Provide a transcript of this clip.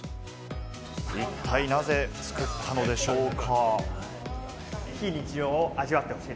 一体なぜ作ったのでしょうか？